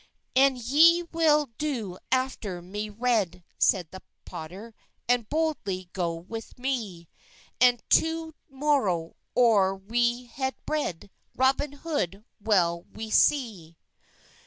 "And ye well do afftyr mey red," seyde the potter, "And boldeley go with me, And to morow, or we het bred, Roben Hode wel we se."